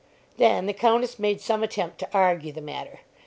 Then the Countess made some attempt to argue the matter.